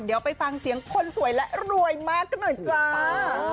เดี๋ยวไปฟังเสียงคนสวยและรวยมากกันหน่อยจ้า